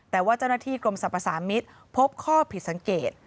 แต่ว่าเจ้าหน้าที่กรมสรรพสามิตรพบข้อผิดสังเกต